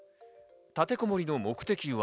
立てこもりの目的は。